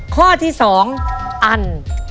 ข้อที่๒อัน